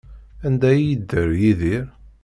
Anda ay yedder Yidir?